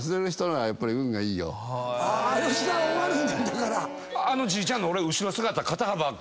吉田は悪いねんだから。